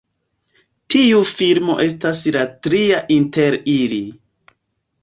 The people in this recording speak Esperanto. Tiu filmo estas la tria inter ili.